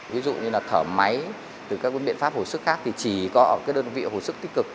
ví dụ như là thở máy từ các biện pháp hồi sức khác thì chỉ có ở đơn vị hồi sức tích cực